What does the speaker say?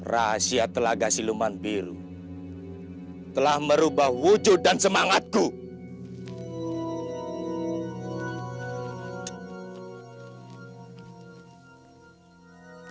rahasia telaga siluman biru telah merubah wujudmu menjadi kekuatan yang tidak mungkin